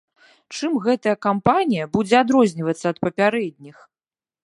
Чым гэтая кампанія будзе адрознівацца ад папярэдніх?